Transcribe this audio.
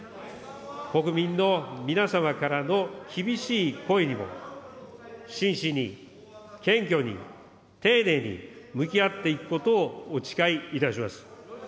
国民の皆様からの厳しい声にも、真摯に、謙虚に、丁寧に向き合っていくことをお誓いいたします。